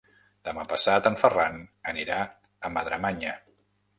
Demà passat en Ferran anirà a Madremanya.